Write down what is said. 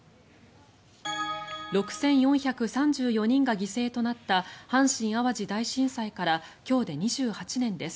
６４３４人が犠牲となった阪神・淡路大震災から今日で２８年です。